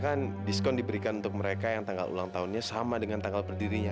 alhamdulillah ya allah